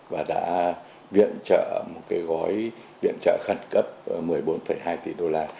và đã viện trợ một cái gói viện trợ khẩn cấp một mươi bốn hai tỷ đô la